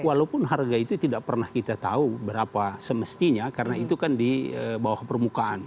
walaupun harga itu tidak pernah kita tahu berapa semestinya karena itu kan di bawah permukaan